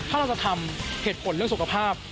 ถ้าเราจะทำเหตุผลเรื่องสุขภาพ